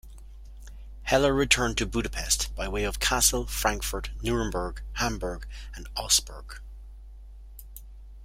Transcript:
Heller returned to Budapest by way of Kassel, Frankfurt, Nuremberg, Hamburg, and Augsburg.